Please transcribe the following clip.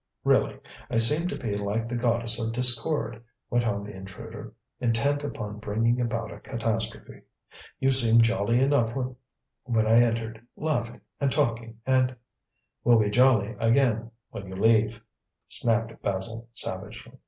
"Really, I seem to be like the Goddess of Discord," went on the intruder, intent upon bringing about a catastrophe; "you seemed jolly enough when I entered, laughing and talking and " "We'll be jolly, again, when you leave," snapped Basil savagely.